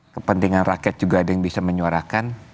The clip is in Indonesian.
kepentingan rakyat juga ada yang bisa menyuarakan